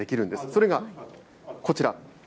それがこちら。